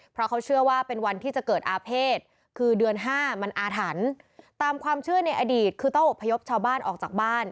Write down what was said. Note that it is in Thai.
เพราะเขาเชื่อว่าเป็นวันที่จะเกิดอาเภษคือเดือนห้ามันอาถรรพ์ตามความเชื่อในอดีตคือต้องอบพยพชาวบ้านออกจากบ้าน